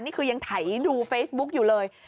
นี่คือยังไถดูเฟซบุ๊กอยู่เลย